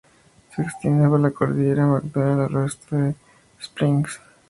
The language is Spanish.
Se extiende por la Cordillera MacDonnell al oeste de Alice Springs.